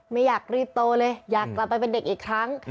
ไม่อยากรีบโตเลยอยากกลับไปเป็นเด็กอีกครั้ง